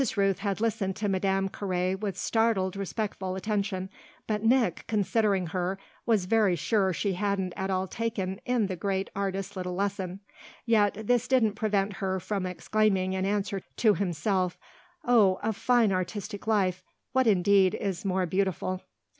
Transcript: Rooth had listened to Madame Carré with startled, respectful attention, but Nick, considering her, was very sure she hadn't at all taken in the great artist's little lesson. Yet this didn't prevent her from exclaiming in answer to himself: "Oh a fine artistic life what indeed is more beautiful?"